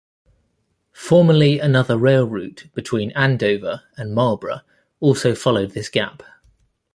Formerly another rail route between Andover and Marlborough also followed this gap.